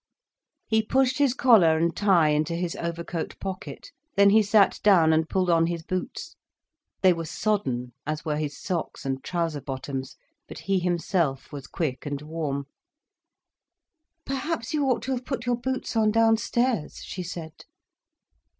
He pushed his collar and tie into his overcoat pocket. Then he sat down and pulled on his boots. They were sodden, as were his socks and trouser bottoms. But he himself was quick and warm. "Perhaps you ought to have put your boots on downstairs," she said.